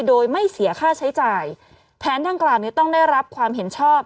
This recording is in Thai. โดยไม่เสียค่าใช้จ่ายแผนดังกล่าวเนี่ยต้องได้รับความเห็นชอบ